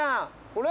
これ？